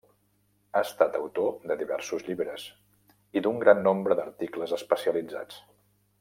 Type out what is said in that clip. Ha estat autor de diversos llibres, i d'un gran nombre d'articles especialitzats.